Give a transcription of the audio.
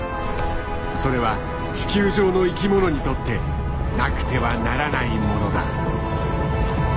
それは地球上の生きものにとってなくてはならないものだ。